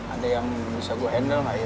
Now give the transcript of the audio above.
ada yang bisa gue handle lah ya